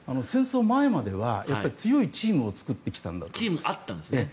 戦争前までは強いチームを作ってきたんだと思います。